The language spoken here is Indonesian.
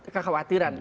yang khawatiran ya